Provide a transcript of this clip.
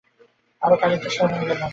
আরো খানিকটা সময় গেল।